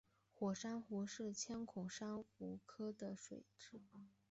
火珊瑚是千孔珊瑚科的水螅。